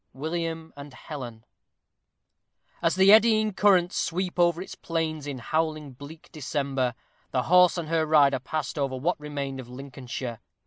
William and Helen. As the eddying currents sweep over its plains in howling, bleak December, the horse and her rider passed over what remained of Lincolnshire.